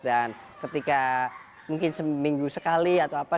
dan ketika mungkin seminggu sekali atau apa